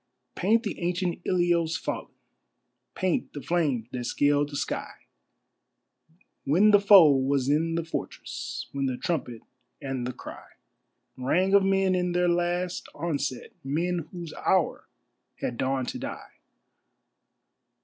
Paint the ancient Ilios fallen; paint the flames that scaled the sky, When the foe was in the fortress, when the trumpet and the cry Rang of men in their last onset, men whose hour had dawned to die.